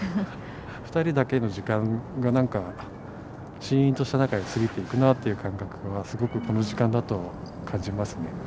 ２人だけの時間がなんかシーンとした中で過ぎていくなっていう感覚はすごくこの時間だと感じますね。